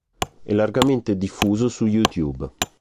È largamente diffuso su YouTube.